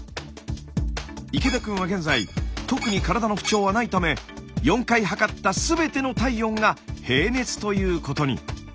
池田くんは現在特に体の不調はないため４回測った全ての体温が平熱ということに。